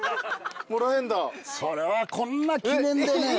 それはこんな記念でね。